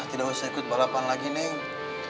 tidak usah ikut balapan lagi nih